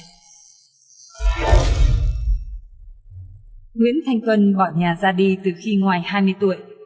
nguyễn thanh tuân bỏ nhà ra đi từ khi ngoài hai mươi tuổi